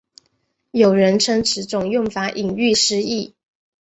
有人称此种用法引喻失义。